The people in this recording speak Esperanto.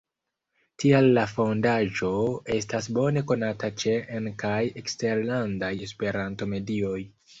Tial la Fondaĵo estas bone konata ĉe en- kaj eksterlandaj Esperanto-medioj.